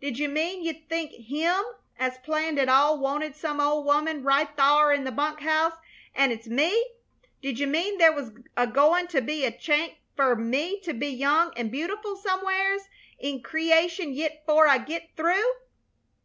Did you mean you think Him as planned it all wanted some old woman right thar in the bunk house, an' it's me? Did you mean there was agoin' to be a chanct fer me to be young an' beautiful somewheres in creation yit, 'fore I git through?"